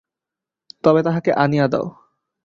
তবে তাহাকে আনিয়া দাও।